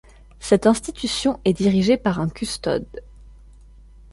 Cette institution est dirigée par un custode.